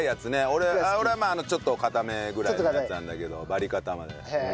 俺はまあちょっとかためぐらいのやつなんだけどバリカタまで。